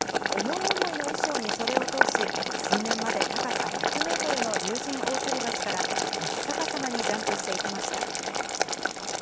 思い思いの衣装に袖を通し、水面まで高さ１００メートルの竜神大吊橋から、真っ逆さまにジャンプしていきました。